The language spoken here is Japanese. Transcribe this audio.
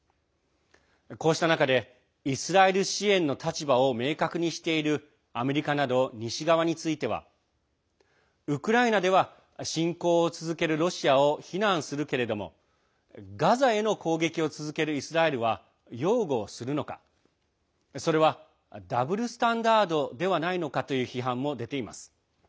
こうした中でイスラエル支援の立場を明確にしているアメリカなど西側についてはウクライナでは侵攻を続けるロシアを非難するけれどもガザへの攻撃を続けるイスラエルは擁護するのかそれはダブルスタンダードではないのかという批判も出ています。